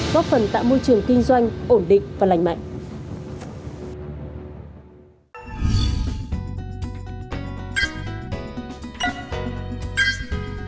góp phần tạo môi trường kinh doanh ổn định và lành mạnh